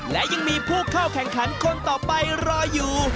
และยังมีผู้เข้าแข่งขันคนต่อไปรออยู่